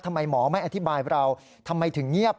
ทำไมหมอไม่อธิบายเราทำไมถึงเงียบ